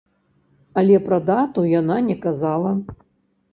Але пра дату яна не казала.